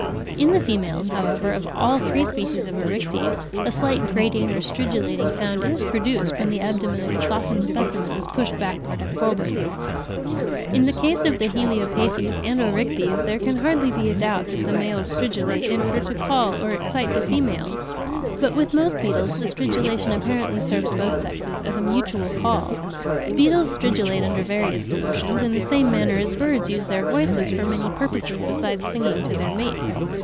In the females, however, of all three species of Oryctes, a slight grating or stridulating sound is produced, when the abdomen of a softened specimen is pushed backwards and forwards. In the case of the Heliopathes and Oryctes there can hardly be a doubt that the males stridulate in order to call or to excite the females; but with most beetles the stridulation apparently serves both sexes as a mutual call. Beetles stridulate under various emotions, in the same manner as birds use their voices for many purposes besides singing to their mates.